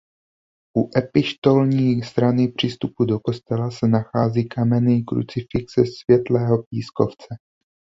U epištolní strany při vstupu do kostela se nachází kamenný krucifix ze světlého pískovce.